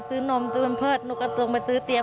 ซื้อนมซื้อเป็นเพิศหนูก็ลงไปซื้อเตรียม